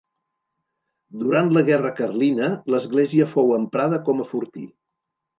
Durant la Guerra Carlina, l'església fou emprada com a fortí.